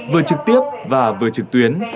vừa trực tiếp và vừa trực tuyến